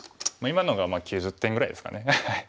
今のが９０点ぐらいですかね。